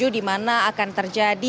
dimana akan terjadi